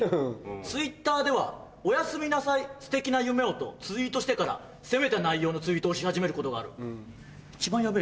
Ｔｗｉｔｔｅｒでは『おやすみなさい素敵な夢を』とツイートしてから攻めた内容のツイートをし始めることがある」。